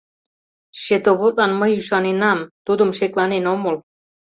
Счетоводлан мый ӱшаненам, тудым шекланен омыл.